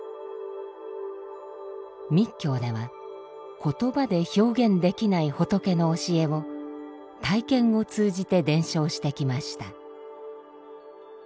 密教では言葉で表現できない仏の教えを体験を通じて伝承してきました。